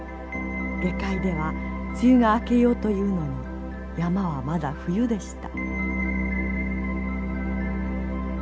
下界では梅雨が明けようというのに山はまだ冬でした。